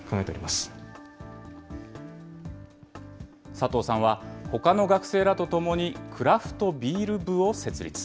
佐藤さんは、ほかの学生らと共にクラフトビール部を設立。